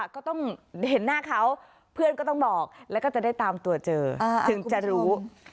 ก็ต้องเห็นหน้าเขาเพื่อนก็ต้องบอกแล้วก็จะได้ตามตัวเจอถึงจะรู้